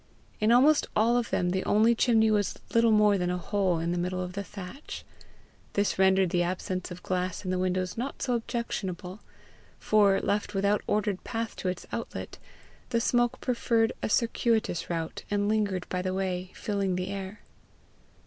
In almost all of them the only chimney was little more than a hole in the middle of the thatch. This rendered the absence of glass in the windows not so objectionable; for, left without ordered path to its outlet, the smoke preferred a circuitous route, and lingered by the way, filling the air.